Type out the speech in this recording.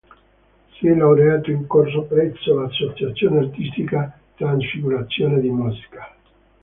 Si è laureato in corso presso l'associazione artistica "Trasfigurazione" di Mosca.